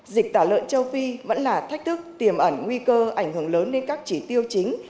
dịch tả lợn châu phi vẫn là thách thức tiềm ẩn nguy cơ ảnh hưởng lớn đến các chỉ tiêu chính